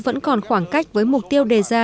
vẫn còn khoảng cách với mục tiêu đề ra